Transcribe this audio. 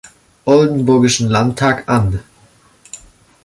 Oldenburgischen Landtag an.